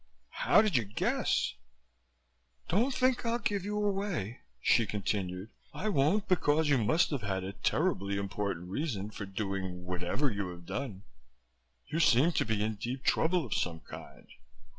"How did you guess?" "Don't think I'll give you away," she continued. "I won't because you must have had a terribly important reason for doing whatever you have done. You seem to be in deep trouble of some kind.